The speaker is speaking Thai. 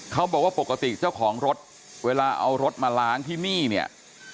เขาบอกว่าปกติเจ้าของรถเวลาเอารถมาล้างที่นี่เนี่ย